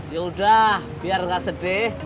ya udah biar gak sedih